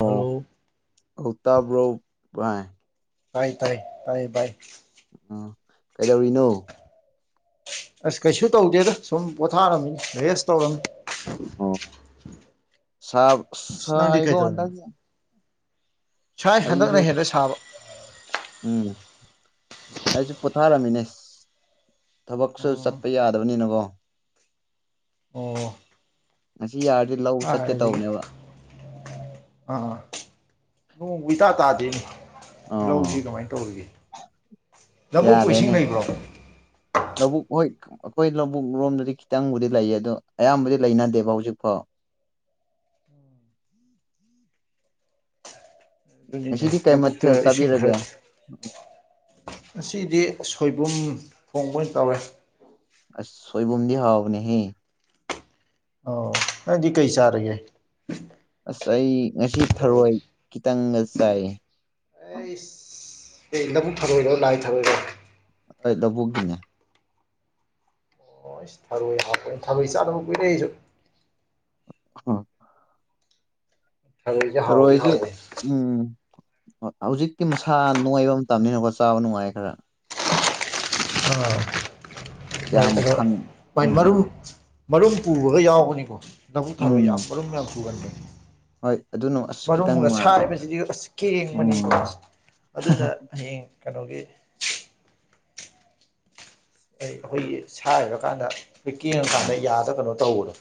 Hello ꯑꯧ ꯇꯥꯕ꯭ꯔꯣ ꯕꯥꯏ ꯇꯥꯏ ꯇꯥꯏ ꯇꯥꯏꯌꯦ ꯚꯥꯏ ꯑꯥ ꯀꯩꯗꯧꯔꯤꯅꯣ ꯑꯁ ꯀꯩꯁꯨ ꯇꯧꯗꯦꯗ ꯁꯨꯝ ꯄꯣꯊꯥꯔꯝꯃꯤꯅꯤ ꯔꯦꯁ ꯇꯧꯔꯝꯃꯤ ꯑꯣ ꯁꯥꯞ ꯑꯁ ꯅꯪꯗꯤ ꯁꯥꯏꯒꯣ ꯀꯩꯗꯧꯔꯝꯃꯤꯅꯣ ꯍꯟꯗꯛꯖꯦ ꯁꯥꯏ ꯍꯟꯗꯛꯅ ꯍꯦꯜꯂꯦ ꯁꯥꯕ ꯎꯝ ꯑꯩꯖꯨ ꯄꯣꯊꯥꯔꯝꯃꯤꯅꯦ ꯊꯕꯛꯁꯨ ꯑꯣ ꯆꯠꯄ ꯌꯥꯗꯕꯅꯤꯅꯀꯣ ꯑꯣ ꯉꯁꯤ ꯌꯥꯔꯗꯤ ꯂꯧ ꯆꯠꯀꯦ ꯀꯥꯏꯗꯒꯤ ꯇꯧꯕꯅꯦꯕ ꯑꯥ ꯑꯥ ꯅꯣꯡꯕꯨ ꯏꯇꯥ ꯇꯥꯗꯦꯅꯦ ꯑꯣ ꯂꯧꯁꯤ ꯀꯃꯥꯏꯟ ꯇꯧꯔꯤꯒꯦ ꯂꯧꯕꯨꯛꯄꯨ ꯏꯁꯤꯡ ꯌꯥꯗ꯭ꯔꯦꯅꯦ ꯂꯩꯕ꯭ꯔꯣ ꯂꯧꯕꯨꯛ ꯍꯣꯏ ꯑꯈꯣꯏ ꯂꯧꯕꯨꯛ ꯂꯣꯝꯗꯗꯤ ꯈꯤꯇꯪꯕꯨꯗꯤ ꯂꯩꯌꯦ ꯑꯗꯣ ꯑꯌꯥꯝꯕꯗꯤ ꯂꯩꯅꯗꯦꯕ ꯍꯧꯖꯤꯛꯐꯥꯎ ꯑꯗꯨꯅꯤꯅꯦ ꯉꯁꯤꯗꯤ ꯀꯩ ꯂꯧꯕꯨꯛꯇꯥ ꯃꯊꯦꯜ ꯏꯁꯤꯡ ꯆꯥꯕꯤꯔꯒꯦ ꯈꯔ ꯉꯁꯤꯗꯤ ꯁꯣꯏꯕꯨꯝ ꯊꯣꯡꯕ ꯑꯣꯏꯅ ꯇꯧꯔꯦ ꯑꯁ ꯁꯣꯏꯕꯨꯝꯗꯤ ꯍꯥꯎꯕꯅꯦꯍꯦ ꯑꯥꯎ ꯅꯪꯏꯗꯤ ꯀꯩ ꯆꯥꯔꯒꯦ ꯑꯁ ꯑꯩ ꯉꯁꯤ ꯊꯔꯣꯏ ꯈꯤꯇꯪꯒꯥ ꯆꯥꯏ ꯑꯩꯁ ꯑꯦ ꯂꯥꯕꯨꯨꯛ ꯊꯔꯣꯏꯔꯣ ꯂꯥꯏ ꯊꯔꯣꯏꯔꯣ ꯑꯩ ꯂꯧꯕꯨꯛꯒꯤꯅꯦ꯫ ꯑꯣꯁ ꯊꯥꯔꯣꯏ ꯍꯥꯄꫭꯏ ꯊꯥꯔꫭꯏ ꯆꯥꯗꯕ ꯀꯨꯏꯔꯦ ꯑꯩꯁꯨ꯫ [unintelligible] ꯊꯔꫭꯏꯁꯦ ꯍꯥꯎꯗꯤ ꯊꯔꯣꯏꯁꯨ ꯍꯥꯎꯋꯦ꯫ ꯍꯧꯖꯤꯛꯇꯤ ꯃꯁꯥ ꯅꫭꯏꯕ ꯃꯇꯝꯅꯤꯅꯀꯣ ꯆꯥꯕ ꯅꯨꯡꯉꯥꯏ ꯈꯔ꯫ ꯀꯌꯥꯝ ꯐꯪ [inaudible] ꯕꯥꯏ ꯃꯔꯨ ꯎꯝ ꯃꯔꯨꯝ ꯄꯨꯕꯒ ꯌꯥꯎꯕꯅꯤꯀꯣ ꯂꯕꯨꯛ ꯊꯔꯣꯏ ꯎꯝ ꯌꯥꯝ ꯃꯔꯨꯝ ꯌꯥꯝ ꯄꯨꯒꯟꯕꯅꯤ꯫ ꯍꯣꯏ ꯑꯗꯨꯅ ꯑꯁ ꯈꯤꯇꯪ ꯃꯔꯨꯝꯒ ꯅꯨꯡꯉꯥꯏꯔꯦ ꯁꯥꯔꯕꯁꯤꯗꯤ ꯑꯁ ꯀꯦꯡꯕꯅꯤꯀꯣ꯫ ꯎꯝ ꯑꯗꯨꯅ ꯍꯌꯦꯡ ꯀꯩꯅꯣꯒꯤ ꯑꯩ ꯑꯈꯣꯏꯒꯤ ꯁꯥꯏꯔ ꯀꯥꯟꯗ ꯄꯦꯛ ꯀꯪꯉꯀꯥꯟꯗ ꯎꯝ ꯌꯥꯗ ꯀꯩꯅꯣ ꯇꯧꯕꯗꯣ꯫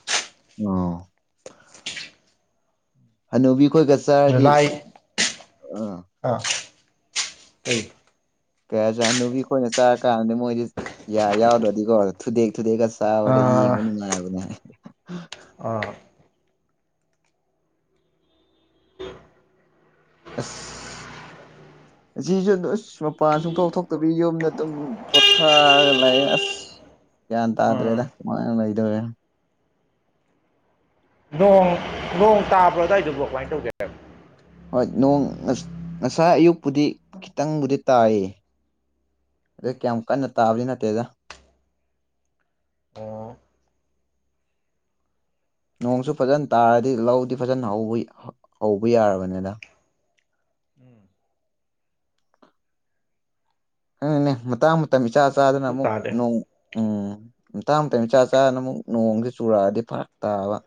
ꯑꯣ꯫ ꯍꯅꯨꯕꯤ ꯈꯣꯏꯒ ꯁ [unintelligible] ꯀꯌꯥ ꯆꯥ ꯍꯅꯨꯕꯤ ꯈꯣꯏꯅ ꯆꯥꯔ ꯀꯥꯟꯗꯗꯤ ꯃꯣꯏꯗꯤ ꯌꯥ ꯌꯥꯎꯗ꯭ꯔꯗꯤꯀꯣ ꯊꯨꯗꯦꯛ ꯊꯨꯗꯦꯛꯀ ꯆ ꯆꯥꯕꯗ ꯑꯥ ꯌꯦꯡꯕ ꯅꯨꯡꯉꯥꯏꯕꯅꯦ [unintelligible] ꯑꯥ꯫ ꯑꯁ꯫ ꯉꯁꯤꯁꯨ ꯑꯗꯨ ꯎꯁ ꯃꯄꯥꯟ ꯁꯨꯡꯊꯣꯛ ꯊꯣꯛꯇꯕꯤ ꯌꯨꯝꯗ ꯑꯗꯨꯝ ꯄꯣꯊꯥꯔꯒ ꯂꯩꯑꯦ ꯑꯁ꯫ ꯒ꯭ꯌꯥꯟ ꯑꯥ ꯇꯥꯗ꯭ꯔꯦꯗ ꯀꯃꯥꯏꯅ ꯂꯩꯗꫭꯔꯦ꯫ ꯅꯣꯡ ꯅꯣꯡ ꯇꯥꯕ꯭ꯔꯥ ꯑꯗꯨꯋꯥꯏꯗꯣꯕꯨ ꯀꯃꯥꯏꯟ ꯇꯧꯒꯦ꯫ ꯍꯣꯏ ꯅꯣꯡ ꯉꯁ ꯉꯁꯥꯏ ꯑꯌꯨꯛꯄꯨꯗꯤ ꯈꯤꯇꯪꯕꯨꯗꯤ ꯇꯥꯏꯌꯦ꯫ ꯑꯗꯩ ꯀꯌꯥꯝ ꯀꯟꯅ ꯇꯥꯕꯗꯤ ꯅꯠꯇꯦꯗ꯫ ꯑꯣ꯫ ꯅꯣꯡꯁꯨ ꯐꯖꯅ ꯇꯥꯔꯗꯤ ꯂꯧꯗꯤ ꯐꯖꯅ ꯍꯧꯏ ꯍꯧꯕ ꯌꯥꯔꯕꯅꯤꯗ꯫ ꯎꯝ ꯅꯪꯅꯦ ꯃꯇꯥꯡ ꯃꯇꯝ ꯏꯆꯥ ꯆꯥꯗꯅ ꯅꯣꯡꯁꯨ ꯑꯃꯨꯛ ꯇꯥꯗꯦ ꯅꯣꯡ ꯝꯇꯥꯥꯡ ꯃꯇꯝ ꯆꯥ ꯆꯥꯗꯅ ꯅꫭꯡꯁꯦ ꯑꯃꯨꯛ ꯆꯨꯔꯛꯑꯗꯤ ꯐꯔꯛ ꯇꯥꯕ꯫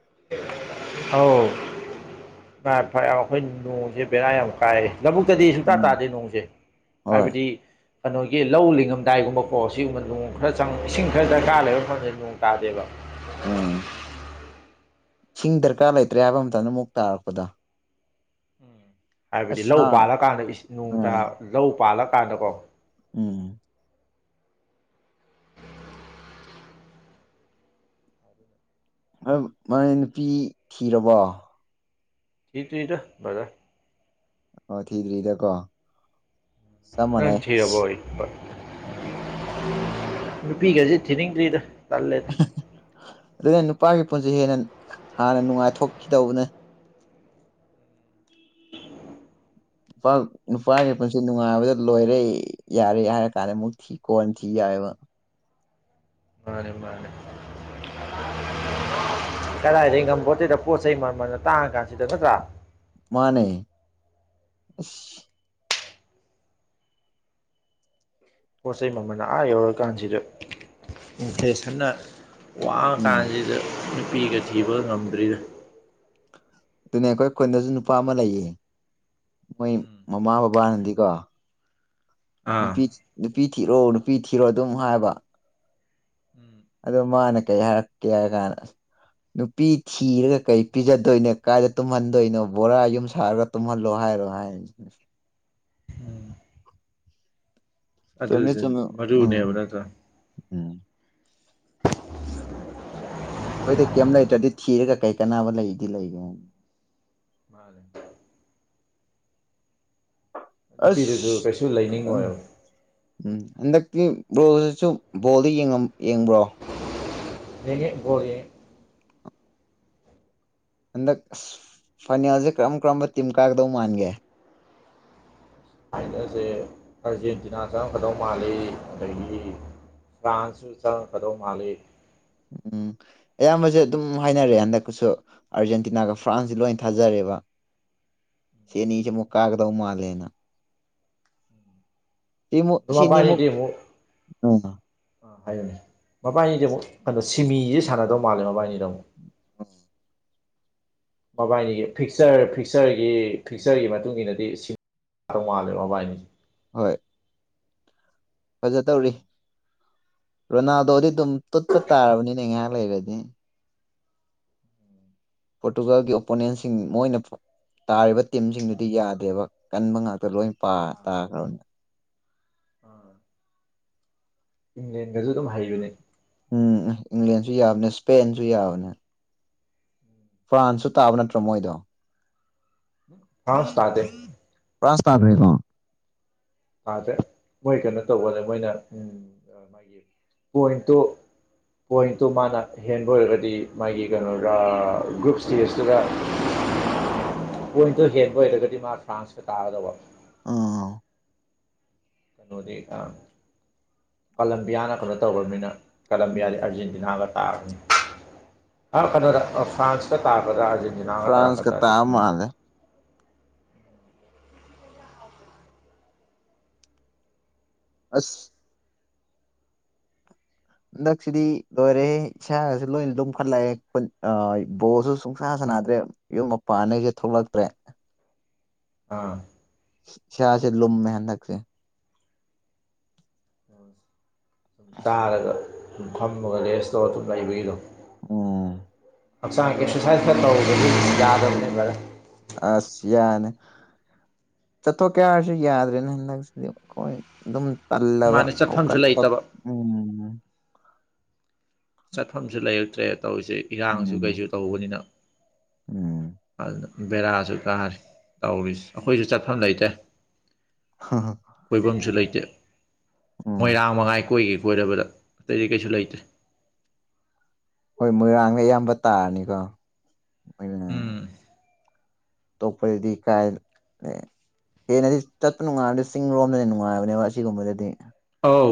ꯑꯥꯎ [unintelligible] ꯑꯩꯈꯣꯏꯟ ꯅꯣꯡꯖꯦ ꯕꯦꯔꯥ ꯌꯥꯝ ꯀꯥꯏ ꯂꯧꯕꯨꯛꯇꯗꯤ ꯁꯨꯡꯇꯥ ꯎꯝ ꯇꯥꯗꯦ ꯅꯣꯡꯁꯦ ꯍꯣꯏ ꯍꯥꯏꯕꯗꯤ ꯀꯩꯅꯣꯒꯤ ꯂꯧ ꯂꯤꯡꯉꯝꯗꯥꯏꯒꯨꯝꯕꯀꯣ ꯁꯤꯒꯨꯝꯕ ꯅꯣꯡ ꯈꯔ ꯆꯪ ꯏꯁꯤꯡ ꯈꯔ ꯗꯔꯀꯥꯔ ꯂꯩꯕ ꯃꯐꯝꯗꯗꯤ ꯅꯣꯡ ꯇꯥꯗꯦꯕ꯫ ꯎ ꯁꯤꯡ ꯗꯔꯀꯥꯔ ꯂꯩꯇ꯭ꯔꯦ ꯍꯥꯏꯕ ꯃꯇꯝꯗ ꯑꯃꯨꯛ ꯇꯥꯔꯛꯄꯗꯣ꯫ ꯎꯝ ꯍꯥꯏꯕꯗꯤ ꯂꯧ ꯑꯁ ꯄꯥꯜꯂꯀꯥꯟꯗ ꯏꯁ ꯅꯣꯡꯇꯥ ꯎꯝ ꯂꯧ ꯄꯥꯜꯂꯀꯥꯟꯗꯀꯣ꯫ ꯎꯝ ꯑꯎꯝ ꯃꯥꯅꯦ ꯅꯨꯄꯤ ꯊꯤꯔꯕꯣ꯫ ꯊꯤꯗ꯭ꯔꯤꯔ ꯕꯔꯗꯔ꯫ ꯑꯣ ꯊꯤꯗ꯭ꯔꯤꯗꯀꯣ꯫ ꯆꯞ ꯅꯪ ꯃꯥꯟꯅꯩ ꯊꯤꯔꯕꯣꯗꯤ꯫ [unintelligible] ꯅꯨꯄꯤꯒꯁꯦ ꯊꯤꯅꯤꯡꯗ꯭ꯔꯤꯗ ꯇꯜꯂꯦꯗ꯫ [unintelligible] ꯑꯗꯨꯅꯦ ꯅꯨꯄꯥꯒꯤ ꯄꯨꯟꯁꯤ ꯍꯦꯟꯅ ꯍꯥꯟꯅ ꯅꯨꯡꯉꯥꯏꯊꯣꯛꯈꯤꯗꯧꯕꯅꯦ꯫ ꯅꯨꯄꯥ ꯅꯨꯄꯥꯒꯤ ꯄꯨꯟꯁꯤ ꯅꯨꯡꯉꯥꯏꯕꯗ ꯂꯣꯏꯔꯦ ꯌꯥꯔꯦ ꯍꯥꯏꯔ ꯀꯥꯟꯗ ꯑꯃꯨꯛ ꯊꯤ ꯀꯣꯟꯅ ꯊꯤ ꯌꯥꯑꯦꯕ꯫ ꯃꯥꯅꯦ-ꯃꯥꯅꯦ [unintelligible] ꯀꯗꯥꯏꯗꯒꯤ ꯉꯝꯕꯣꯠꯇꯦꯗ ꯄꯣꯠꯆꯩ ꯃꯝꯃꯟꯅ ꯇꯥꯡꯉ ꯀꯥꯟꯁꯤꯗ ꯅꯠꯇ꯭ꯔꯥ꯫ ꯃꯥꯅꯦ ꯑꯁ꯫ ꯄꯣꯠ ꯆꯩꯩ ꯃꯃꯟꯅ ꯑꯥ ꯌꯧꯔꯀꯥꯟꯁꯤꯗ ꯏꯟꯐꯦꯁꯟꯅ ꯋꯥ ꯎꯝ ꯀꯥꯟꯁꯤꯗ ꯅꯨꯄꯤꯒ ꯊꯤꯕ ꯉꯝꯗ꯭ꯔꯤꯗ꯫ ꯑꯗꯨꯅꯦ ꯑꯩꯈꯣꯏ ꯈꯨꯟꯗꯖꯨ ꯅꯨꯄꯥ ꯑꯃ ꯂꯩꯌꯦ ꯃꯣꯏ ꯎꯝ ꯃꯃꯥꯕ__ ꯕꯥꯅꯗꯤꯀꯣ ꯑꯥ ꯅꯨꯄꯤ ꯅꯨꯄꯤ ꯊꯤꯔꯣ ꯅꯨꯄꯤ ꯊꯤꯔꯣ ꯑꯗꯨꯝ ꯍꯥꯏꯕ ꯎꯝ ꯑꯗꯨ ꯃꯥꯅ ꯀꯩ ꯍꯥꯏꯔꯛꯀꯦ ꯍꯥꯏ ꯀꯥꯟꯅ ꯅꯨꯄꯤ ꯊꯤꯔꯒ ꯀꯩ ꯄꯤꯖꯗꯣꯏꯅ ꯀꯥꯏꯗ ꯇꯨꯝꯍꯟꯗꯣꯏꯅꯣ ꯕꯣꯔꯥ ꯌꯨꯝ ꯁꯥꯔꯒ__ ꯇꯨꯝꯍꯜꯂꯣ ꯍꯥꯏꯔꯣ ꯍꯥꯏ ꯆꯨꯝꯃꯦ ꯑꯗꯨꯖꯨꯅꯦ ꯆꯨꯝꯃꯦ ꯃꯔꯨꯅꯦꯕ ꯎꯝ ꯅꯠꯇꯔꯥ ꯎꯝ ꯑꯩꯈꯣꯏꯗ ꯀꯩꯝ ꯂꯩꯇ꯭ꯔꯗꯤ ꯊꯤꯔꯒ ꯀꯩ ꯀꯅꯥꯕ ꯂꯩꯗꯤ ꯂꯩꯒꯦ ꯃꯥꯅꯦ ꯅꯨꯄꯤꯗꯨꯁꯨ ꯑꯁ ꯀꯩꯁꯨ ꯎꯝ ꯂꯩꯅꯤꯡꯉꯣꯏꯕ ꯎꯝ ꯍꯟꯗꯛꯇꯤ ꯕ꯭ꯔꯣꯁꯤꯁꯨ ꯕꯣꯜꯗꯤ ꯌꯦꯡꯉꯝ ꯌꯦꯡꯕ꯭ꯔꯣ ꯌꯦꯡꯉꯦ ꯕꯣꯜ ꯌꯦꯡꯉꯦ ꯍꯟꯗꯛ ꯑꯁ ꯐꯥꯏꯅꯦꯜꯖꯦ ꯀꯔꯝ ꯀꯔꯝꯕ ꯇꯤꯝ ꯀꯥꯒꯗꯧ ꯃꯥꯟꯒꯦ ꯐꯥꯏꯅꯦꯜꯁꯦ ꯑꯥꯔꯖꯦꯟꯇꯤꯅꯥ ꯆꯪꯉꯛꯀꯗꯧ ꯃꯥꯜꯂꯤ ꯑꯗꯒꯤ ꯐ꯭ꯔꯥꯟꯁꯁꯨ ꯆꯪ ꯉꯥꯛꯀꯗꯧ ꯃꯥꯜꯂꯤ ꯎꯝ ꯑꯌꯥꯝꯕꯖꯦ ꯑꯗꯨꯝ ꯍꯥꯏꯅꯔꯦ ꯍꯟꯗꯛꯀꯨꯁꯨ ꯑꯥꯔꯖꯦꯟꯇꯤꯅꯥꯒ ꯐ꯭ꯔꯥꯟꯁꯁ ꯂꯣꯏ ꯊꯥꯖꯔꯦꯕ ꯁꯤ ꯑꯅꯤꯖꯦ ꯑꯃꯨꯛ ꯀꯥꯒꯗꯧ ꯃꯥꯜꯂꯦꯅ ꯁꯤꯃꯨꯛ ꯑꯗꯨ ꯁꯤꯅꯤꯃꯨꯛ ꯃꯕꯥꯏꯅꯤꯗꯤ ꯑꯃꯨꯛ ꯎꯝ ꯑꯥ ꯍꯥꯏꯌꯨꯅꯦ ꯃꯕꯥꯏꯅꯤꯗꯤ ꯑꯃꯨꯛ ꯀꯅꯥ ꯁꯥ__ ꯁꯤꯃꯤꯖꯦ ꯁꯥꯟꯅꯗꯧ ꯃꯥꯂꯦ ꯃꯕꯥꯏꯅꯤꯗ ꯑꯃꯨꯛ ꯎꯝ ꯃꯕꯥꯏꯅꯤꯒꯤ ꯐꯤꯛꯆꯔ ꯐꯤꯛꯆꯔꯒꯤ ꯐꯤꯛꯆꯔꯒꯤ ꯃꯇꯨꯡ ꯏꯟꯅꯗꯤ ꯁꯤꯞ__ ꯗꯧ ꯃꯥꯜꯂꯦ ꯃꯕꯥꯏꯅꯤꯖꯦ ꯍꯣꯏ ꯐꯖ ꯇꯧꯔꯤ ꯔꯣꯅꯥꯜꯗꯣꯗꯤꯗꯨꯝ ꯇꯨꯠꯄ ꯇꯥꯔꯕꯅꯤꯅꯦ ꯉꯥꯏꯍꯥꯛ ꯂꯩꯔꯗꯤ ꯄꯣꯔꯇꯨꯒꯜꯒꯤ ꯑꯣꯄꯣꯅꯦꯟꯁꯤꯡ ꯃꯣꯏꯅ ꯄꯨ__ ꯇꯥꯔꯤꯕ ꯇꯤꯝꯁꯤꯡꯗꯨꯗꯤ ꯌꯥꯗꯦꯕ ꯀꯟꯕ ꯉꯥꯛꯇ ꯂꯣꯏ ꯄꯥ ꯇꯥꯈ꯭ꯔꯕꯅꯦ ꯏꯪꯂꯦꯟꯒꯖꯨ ꯑꯗꯨꯝ ꯍꯩꯕꯅꯦ ꯎꯝ ꯏꯪꯂꯦꯟꯁꯨ ꯌꯥꯕꯅꯦ ꯏꯁꯄꯦꯟꯁꯨ ꯌꯥꯕꯅꯦ ꯐ꯭ꯔꯥꯟꯁꯁꯨ ꯇꯥꯕ ꯅꯠꯇ꯭ꯔꯣ ꯃꯣꯏꯗꯣ ꯐ꯭ꯔꯥꯟꯁ ꯇꯗꯦ ꯐ꯭ꯔꯥꯟꯁ ꯇꯥꯈ꯭ꯔꯦꯀꯣ ꯇꯥꯗꯦ ꯃꯣꯏ ꯀꯩꯅꯣ ꯇꯧꯕꯅꯦ ꯃꯣꯏꯅ ꯎꯝ ꯃꯥꯒꯤ ꯄꯣꯏꯟꯠꯇꯣ ꯄꯣꯏꯟꯠꯇꯨ ꯃꯥꯅ ꯍꯦꯟꯕ ꯑꯣꯏꯔꯒꯗꯤ ꯃꯥꯒꯤ ꯀꯩꯅꯣꯔꯥ ꯒ꯭ꯔꯨꯞ ꯁ꯭ꯇꯦꯖꯇꯨꯗ [inaudible] ꯄꯣꯏꯟꯠꯇꯣ ꯍꯦꯟꯕ ꯑꯣꯏꯔꯒꯗꯤ ꯃꯥ ꯐ꯭ꯔꯥꯟꯁꯀ ꯇꯥꯒꯗꯧꯕ ꯑꯥꯎ ꯀꯩꯅꯣꯗꯤ ꯑꯥ ꯀꯂꯝꯕꯤꯌꯥꯅ ꯀꯩꯅꯣ ꯇꯧꯒ꯭ꯔꯝꯅꯤꯅ ꯀꯂꯝꯕꯤꯌꯥꯗꯤ ꯑꯥꯔꯖꯦꯟꯇꯤꯅꯥꯒ ꯇꯥꯕꯅꯤ ꯑꯥ ꯀꯩꯅꯣꯗ ꯐ꯭ꯔꯥꯟꯁꯀ ꯇꯥꯒꯗꯥ ꯑꯥꯔꯖꯦꯟ__ ꯇꯤꯅꯒ ꯐ꯭ꯔꯥꯟꯁꯀ ꯇꯥꯔꯛꯀꯗ꯭ꯔꯥꯗꯤ ꯇꯥꯕ ꯈꯪꯗꯦ ꯃꯥꯜꯂꯦ ꯑꯁ ꯍꯟꯗꯛꯁꯤꯗꯤ ꯂꯣꯏꯔꯦ ꯏꯁꯥꯒꯁꯨ ꯂꯣꯏꯅ ꯂꯨꯝꯈꯠꯂꯛꯑꯦ ꯈꯨꯟ ꯑꯥ ꯕꯣꯜꯖꯨ ꯁꯨꯡꯁꯥꯟ ꯁꯥꯟꯅꯗ꯭ꯔꯦ ꯌꯨꯝ ꯃꯄꯥꯟ ꯅꯩꯒ ꯊꯣꯛꯂꯛꯇ꯭ꯔꯦ ꯑꯥ ꯏꯁ꯭ꯌꯥꯁꯦ ꯂꯨꯝꯃꯦ ꯍꯟꯗꯛꯁꯦ ꯆꯥꯔꯒ ꯑꯗꯨꯝ ꯐꯝꯃꯒ ꯔꯦꯁ ꯇꯧꯔ ꯑꯗꯨꯝ ꯂꯩꯕꯒꯤꯗꯣ ꯑꯣ ꯍꯛꯆꯥꯡ ꯑꯦꯛꯁꯔꯁꯥꯏꯁ ꯈꯔ ꯇꯧꯗꯥꯔꯗꯤ ꯌꯥꯗꯕꯅꯦ ꯕꯥꯔꯗꯔ ꯑꯁ ꯌꯥꯅꯤ ꯆꯠꯊꯣꯛ ꯀꯦ ꯍꯥꯏꯔꯁꯨ ꯌꯥꯗ꯭ꯔꯦꯅ ꯍꯟꯗꯛꯁꯤꯗꯤ ꯈꯣꯏ ꯑꯗꯨꯝ ꯇꯜꯂꯕ ꯃꯥꯅ ꯆꯠꯐꯝꯁꯨ ꯍꯧꯒꯠꯄ ꯂꯩꯇꯕ ꯎꯝ ꯆꯠꯐꯝꯁꯨ ꯂꯩꯔꯛꯇ꯭ꯔꯦ ꯇꯧꯔꯤꯖꯦ ꯏꯔꯥꯡꯁꯨ ꯎꯝ ꯀꯩꯁꯨ ꯇꯧꯕꯅꯤꯅ ꯎꯝ ꯑꯗꯨꯅ ꯕꯦꯔꯥꯁꯨ ꯀꯥꯔꯦ ꯇꯧꯔꯤꯁ ꯑꯈꯣꯏꯁꯨ ꯆꯠꯐꯝ ꯂꯩꯇꯦ ꯍꯥ ꯍꯥ ꯀꯣꯏꯕꯝꯁꯨ ꯂꯩꯇꯦ ꯎꯝ ꯃꯣꯏꯔꯥꯡ ꯃꯉꯥꯏ ꯀꯣꯏꯒꯦ ꯀꯣꯏꯔꯕꯗ ꯑꯇꯩꯗꯤ ꯀꯩꯁꯨ ꯂꯩꯇꯦ ꯍꯣꯏ ꯃꯣꯏꯔꯥꯡꯅ ꯑꯌꯥꯝꯕ ꯇꯥꯔꯅꯤꯀꯣ ꯎꯝ ꯑꯇꯣꯛ ꯄꯥꯗꯗꯤ ꯀꯥꯏ ꯂꯩ ꯍꯦꯟꯅꯗꯤ ꯆꯠꯄ ꯅꯨꯡꯉꯥꯏꯕꯗꯤ ꯆꯤꯡꯔꯣꯝꯗꯅ ꯅꯨꯡꯉꯥꯏꯕꯅꯦꯕ ꯑꯁꯤꯒꯨꯝꯕꯗꯗꯤ ꯑꯧ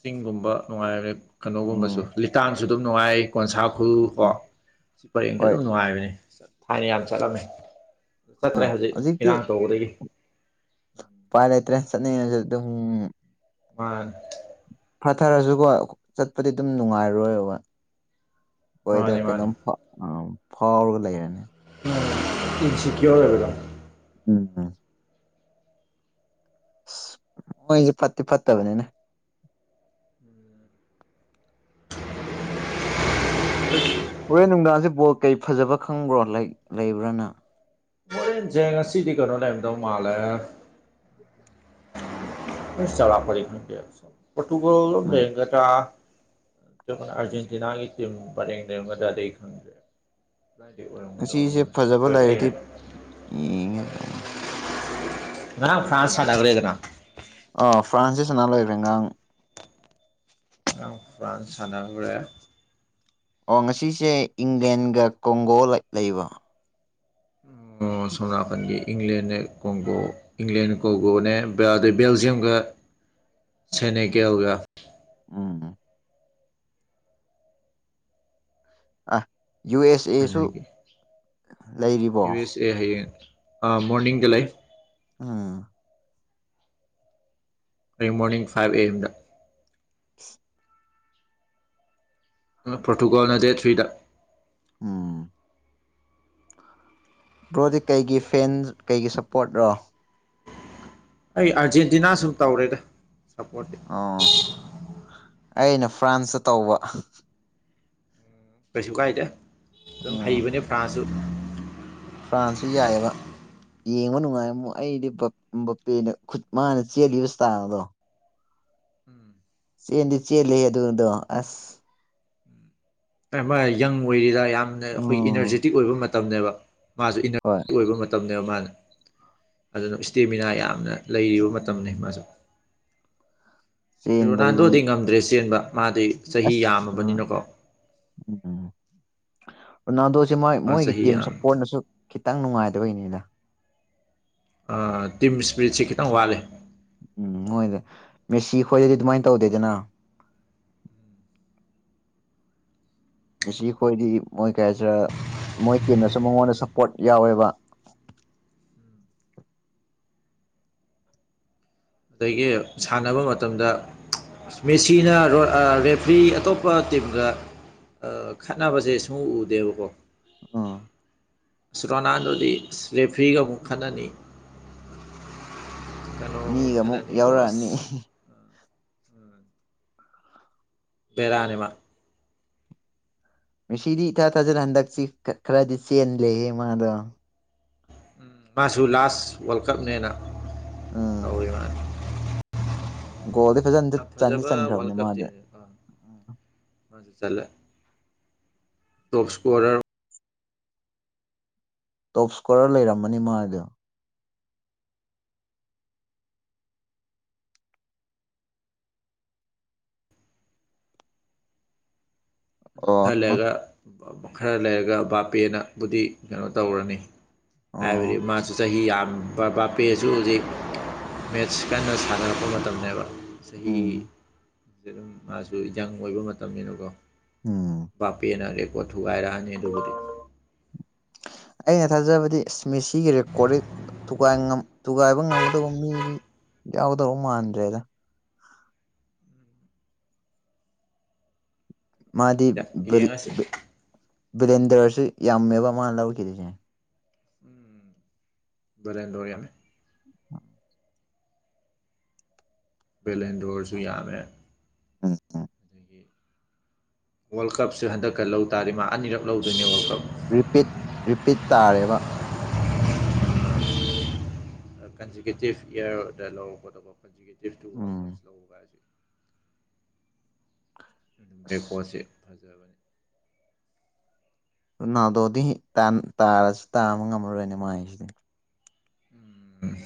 ꯆꯤꯡꯒꯨꯝꯕ ꯅꯨꯡꯉꯥꯏꯕꯅꯦ ꯀꯩꯅꯣꯒꯨꯝꯕꯁꯨ ꯎꯝ ꯂꯤꯇꯥꯟꯁꯨ ꯑꯗꯨꯝ ꯅꯨꯡꯉꯥꯏ ꯀꯣꯟꯁꯥ ꯎꯈꯨꯜ ꯀꯣ ꯁꯤ ꯄꯔꯦꯡꯁꯦ ꯍꯣꯏ ꯑꯗꯨꯝ ꯅꯨꯡꯉꯥꯏꯕꯅꯦ ꯊꯥꯏꯅ ꯌꯥꯝ ꯆꯠꯂꯝꯃꯦ ꯆꯠꯇ꯭ꯔꯦ ꯍꯣꯏ ꯍꯧꯖꯤꯛ ꯍꯧꯖꯤꯛꯇꯤ ꯏꯔꯥꯡ ꯇꯧꯕꯗꯒꯤ ꯎꯄꯥꯏ ꯂꯩꯇ꯭ꯔꯦ ꯆꯠꯅꯤꯡꯉꯥꯖꯨ ꯑꯗꯨꯝ ꯃꯥꯅꯤ ꯈꯊꯔꯁꯨꯀꯣ ꯆꯠꯄꯗꯤ ꯑꯗꯨꯝ ꯅꯨꯡꯉꯥꯏꯔꯣꯏꯕ ꯈꯣꯏꯗ ꯃꯥꯅꯤ ꯃꯥꯅꯤ ꯀꯩꯅꯣꯝ ꯐ ꯐꯥꯎꯔꯒ ꯂꯩꯔꯅꯤ ꯎꯝ ꯏꯟꯁꯤ ꯀ꯭ꯌꯣꯔ ꯑꯣꯏꯕꯗꯣ ꯎꯝ ꯑꯁ ꯃꯣꯏꯖꯦ ꯐꯠꯇꯤ ꯐꯠꯇꯕꯅꯤꯅꯦ ꯑꯁ ꯍꯣꯔꯦꯟ ꯅꯨꯡꯗꯥꯡꯖꯦ ꯕꯣꯜ ꯀꯩ ꯐꯖꯕ ꯈꯪꯕ꯭ꯔꯣ ꯂꯩ ꯂꯩꯕ꯭ꯔꯥꯅ ꯖꯦ ꯉꯥꯁꯤꯗꯤ ꯀꯩꯅꯣ ꯂꯩꯔꯝꯗꯧ ꯃꯥꯜꯂꯦ ꯐꯖ ꯆꯧꯔꯛꯄꯗꯤ ꯈꯪꯗꯦ ꯄꯣꯔꯇꯨꯒꯜ ꯑꯣꯐ ꯎꯝ ꯂꯩꯔꯝꯒꯗ꯭ꯔꯥ ꯅꯠꯇꯔꯒꯅ ꯑꯥꯔꯖꯦꯟꯇꯤꯅꯥꯒꯤ ꯇꯝ ꯄꯔꯦꯡ ꯂꯩꯔꯝꯒꯗ꯭ꯔꯥꯗꯤ ꯑꯩ ꯈꯪꯗꯦ ꯑꯣꯏꯔꯝꯒꯗꯕꯗꯤ [unintelligible] ꯌꯦꯡꯉꯦ ꯇꯧꯅꯦ ꯉꯔꯥꯡ ꯐ꯭ꯔꯥꯟꯁ ꯁꯥꯟꯅꯒ꯭ꯔꯦꯗꯅ ꯑꯥ ꯐ꯭ꯔꯥꯟꯁꯇꯤ ꯁꯥꯟꯅ ꯂꯣꯏꯒ꯭ꯔꯦ ꯉꯥꯡ ꯐ꯭ꯔꯥꯥꯟꯁ ꯁꯥꯟꯅꯒꯔꯦ ꯑꯣ ꯉꯁꯤꯁꯦ ꯏꯪꯂꯦꯟꯒ ꯀꯣꯡꯒꯣ ꯂꯩ ꯂꯩꯕ ꯑꯣ ꯁꯣꯝꯅꯀꯟꯒꯤ ꯏꯪꯂꯦꯟꯅꯦ ꯀꯣꯡꯒꯣ ꯏꯪꯂꯦꯟ ꯀꯣꯒꯣꯅꯦ ꯕꯦ ꯑꯗꯩ ꯕꯦꯜꯖꯤꯌꯝꯒ ꯁꯦꯅꯦꯜꯀꯦꯒ ꯑꯣ ꯑꯣ ꯑꯥꯏ ꯌꯨ ꯑꯦꯁ ꯑꯦꯁꯨ ꯑꯗꯒꯤ ꯂꯩꯔꯤꯕꯣ ꯌꯨ ꯑꯦꯁ ꯑꯦ ꯍꯥꯌꯦꯡ ꯑꯥ ꯃꯣꯔꯅꯤꯡꯗ ꯂꯩ ꯑꯥ ꯍꯌꯦꯡ ꯃꯣꯔꯅꯤꯡ ꯐꯥꯏꯚ ꯑꯦ ꯑꯦꯝꯗ [unintelligible] ꯑꯥ ꯄ꯭ꯔꯣꯔꯇꯨꯒꯣꯜꯅ ꯗꯦꯠ ꯊ꯭ꯔꯤꯗ ꯎꯝ ꯕ꯭ꯔꯣꯗꯤ ꯀꯩꯒꯤ ꯐꯦꯟ ꯀꯩꯒꯤ ꯁꯞꯄꯣꯔꯠꯔꯣ ꯑꯩ ꯑꯥꯔꯖꯦꯟꯇꯤꯅꯥ ꯁꯨꯝ ꯇꯧꯔꯦꯗ ꯁꯞꯄꯣꯔꯠꯇꯤ ꯑꯣ ꯑꯩꯅ ꯐ꯭ꯔꯥꯁꯇ ꯇꯧꯕ ꯀꯩꯁꯨ ꯀꯥꯏꯗꯦ ꯑꯗꯨꯝ ꯎꯝ ꯍꯩꯕꯅꯦ ꯐ꯭ꯔꯥꯟꯁꯁꯨ ꯐ꯭ꯔꯥꯟꯁꯁꯨ ꯌꯥꯏꯌ‌ꯦꯕ ꯌꯦꯡꯕ ꯅꯨꯡꯉꯥꯏꯌ‌ꯦꯕꯨ ꯑꯩꯗꯤ ꯕꯞ ꯕꯞꯄ‌ꯦꯅ ꯈꯨꯠ ꯃꯥꯅ ꯆꯦꯜꯂꯤꯕ ꯏꯁ꯭ꯇꯥꯏꯜꯗꯣ ꯆꯦꯟꯗꯤ ꯆꯦꯜꯂꯤꯍ‌ꯦ ꯑꯗꯨꯗꯣ ꯑꯁ ꯑ ꯃꯥ ꯌꯪ ꯑꯣꯏꯔꯤꯗ ꯌꯥꯝꯅ ꯑꯩꯈꯣꯏꯒꯤ ꯎꯝ ꯏꯅꯔꯖ‌ꯦꯇꯤꯛ ꯑꯣꯏꯕ ꯃꯇꯝꯅꯦꯕ ꯃꯥꯁ‌ꯦ ꯍꯣꯏ ꯑꯣꯏꯕ ꯃꯇꯝꯅꯦꯕ ꯃꯥꯖ‌ꯦ ꯑꯗꯨꯅ ꯏꯁꯇꯦꯃꯤꯅꯥ ꯌꯥꯝꯅ ꯂꯩꯔꯤꯕ ꯃꯇꯝꯅꯤ ꯎꯝ ꯃꯥꯁꯨ ꯔꯣꯅꯥꯜꯗꯣꯗꯤ ꯆꯦꯟꯕꯗꯗꯤ ꯉꯝꯗ꯭ꯔꯦ ꯆꯦꯟꯕ ꯃꯥꯗꯤ ꯆꯍꯤ ꯑꯁ ꯑ ꯌꯥꯝꯃꯕꯅꯤꯅꯀꯣ ꯎꯝ ꯔꯣꯅꯥꯜꯗꯣꯁꯦ ꯃꯣꯏ ꯃꯥ ꯃꯣꯏꯒꯤ ꯆꯍꯤ ꯇꯤꯝ ꯌꯥꯝ ꯁꯞꯄꯣꯔꯠꯅꯁꯨ ꯈꯤꯇꯪ ꯅꯨꯡꯉꯥꯏꯇꯕꯒꯤꯅꯤꯗ ꯑ ꯇꯤꯝ ꯏꯁ꯭ꯄ꯭ꯔꯤꯠꯁꯦ ꯈꯤꯇꯪ ꯋꯥꯠꯂꯦ ꯎꯝ ꯃꯣꯏꯗ‌ꯣ ꯃꯦꯁꯤ ꯈꯣꯏꯗꯗꯤ ꯑꯗꯨꯃꯥꯏꯅ ꯇꯧꯗꯦꯗꯅ ꯃꯦꯁꯤ ꯈꯣꯏꯗꯤ ꯃꯣꯏ ꯀꯩ ꯍꯥꯏꯁꯤꯔ ꯃꯣꯏ ꯇꯤꯝꯅꯁꯨ ꯃꯉꯣꯟꯗ ꯁꯞꯄꯣꯔꯠ ꯌꯥꯎꯋꯦꯕ ꯑꯗꯒꯤ ꯁꯥꯟꯅꯕ ꯃꯇꯝꯗ ꯃꯦꯁꯤꯅ ꯑ ꯔꯦꯐ꯭ꯔꯤ ꯑꯇꯣꯞꯄ ꯇꯤꯝꯒ ꯈꯠꯅꯕꯁꯦ ꯁꯨꯝ ꯎꯗꯦꯕꯀꯣ ꯑ ꯑꯁ ꯔꯣꯅꯥꯜꯗꯣꯗꯤ ꯑꯁ ꯔꯦꯐ꯭ꯔꯤꯒ ꯑꯃꯨꯛ ꯈꯠꯅꯅꯤ ꯀꯩꯅꯣ ꯃꯤꯒ ꯑꯃꯨꯛ ꯈꯠꯅꯅꯤꯀꯣ ꯌꯥꯎꯔꯛꯑꯅꯤ ꯑꯁ ꯕꯦꯔꯥꯅꯦ ꯃꯥ ꯃꯦꯁꯤꯗꯤ ꯏꯊꯥ ꯊꯥꯖꯅ ꯍꯟꯗꯛꯁꯤ ꯈꯔꯗꯤ ꯆꯦꯟꯂꯦꯍꯦ ꯃꯥꯗꯣ ꯎꯝ ꯃꯥꯁꯨ ꯂꯥꯁ ꯋꯥꯔꯜ ꯀꯞꯅꯦꯅ ꯑ ꯇꯧꯔꯤ ꯃꯥꯅ ꯒꯣꯜꯗꯤ ꯐꯖꯅ ꯌꯥꯝ ꯆꯟꯗꯤ ꯆꯟꯈ꯭ꯔꯕꯅꯦ ꯃꯥꯗꯤ ꯆꯜꯂ‌ꯦ ꯇ‌ꯣꯞ ꯏꯁꯀ‌ꯣꯔꯗ ꯇꯣꯞ ꯏꯁꯀꯣꯔꯔ ꯂꯩꯔꯝꯃꯅꯤ ꯃꯥꯗꯣ ꯑꯗꯨ ꯑꯣ ꯈꯔ ꯍꯜꯂꯣ ꯂꯩꯔꯒ ꯈꯔ ꯂꯩꯔꯒ ꯕꯥꯄꯦꯅꯕꯨꯗꯤ ꯀꯩꯅꯣ ꯇꯧꯔꯅꯤ ꯑꯣ ꯍꯥꯏꯕꯗꯤ ꯃꯥꯁꯨ ꯆꯍꯤ ꯌꯥꯝ ꯕꯥ ꯕꯥꯄꯦꯁꯨ ꯍꯧꯖꯤꯛ ꯃꯦꯠꯁ ꯀꯟꯅ ꯁꯥꯟꯅꯔꯛꯄ ꯃꯇꯝꯅꯦꯕ ꯆꯍꯤ ꯎꯝ ꯑꯗꯨꯝ ꯃꯥꯁꯨ ꯌꯪ ꯑꯣꯏꯕ ꯃꯇꯝꯅꯤꯅꯀꯣ ꯎꯝ ꯕꯥꯞꯄꯦꯅ ꯔ‌ꯦꯛꯀ‌ꯣꯔꯠ ꯊꯨꯒꯥꯏꯔꯛꯑꯅꯤ ꯑꯗꯨꯕꯨꯗꯤ ꯑꯩꯅ ꯊꯥꯖꯕꯗꯤ ꯏꯁ ꯃꯦꯁꯤꯒꯤ ꯔꯦꯛꯀꯣꯔꯠꯗꯤ ꯊꯨꯒꯥꯏ ꯉꯝ ꯊꯨꯒꯥꯏꯕ ꯉꯝꯒꯗꯧꯕ ꯃꯤꯗꯤ ꯌꯥꯎꯗ‌ꯣꯕ ꯃꯥꯟꯗ꯭ꯔꯦꯗ ꯃꯥꯗꯤ ꯈꯪꯗꯦ ꯕ꯭ꯂ‌ꯦ ꯌꯦꯡꯉꯁꯤ ꯕ ꯕ꯭ꯂꯦꯟꯗꯔꯁꯨ ꯌꯥꯝꯃꯦꯕ ꯃꯥꯅ ꯂꯧꯈꯤꯗꯣꯏꯁꯦ ꯎꯝ ꯕ‌ꯦꯂ‌ꯦꯟꯗ‌ꯣ ꯌꯥꯝꯃꯦ ꯕꯦꯂꯦꯟꯗꯣꯔꯁꯨ ꯌꯥꯝꯃꯦ ꯎꯝ ꯎꯝ ꯋꯥꯔꯜ ꯀꯞꯁꯨ ꯍꯟꯗꯛꯀ ꯂꯧ ꯇꯥꯔꯗꯤ ꯃꯥ ꯑꯅꯤꯔꯛ ꯂꯧꯗꯣꯏꯅꯦ ꯋꯥꯔꯜ ꯀꯞ ꯔꯤꯄꯤꯠ ꯔꯤꯄꯤꯠ ꯇꯥꯔꯦꯕ ꯑ ꯀꯟꯖꯨꯒ‌ꯦꯇꯤꯚ ꯌꯔꯗ ꯂꯧꯒꯗꯕ ꯀꯟꯖꯨꯒ‌ꯦꯇꯤꯚ ꯋꯥꯔꯜ ꯎꯝ ꯀꯞ ꯑꯁ ꯔ‌ꯦꯛꯀ‌ꯣꯠꯁ‌ꯦ ꯐꯖꯕꯅꯤ ꯔꯣꯅꯥꯜꯗꯣꯗꯤ ꯇꯥꯏꯝ ꯇꯥꯔꯁꯨ ꯇꯥꯕ ꯉꯝꯃꯔꯣꯏꯅꯦ ꯃꯥꯏꯁꯤꯗꯤ ꯎꯝ